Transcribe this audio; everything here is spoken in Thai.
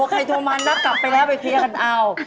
ตัวใครตัวมันน่ะกลับไปแล้วไปเคลียร์กันเอ้า